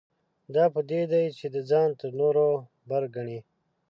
دا په دې چې دی ځان تر نورو بر ګڼي.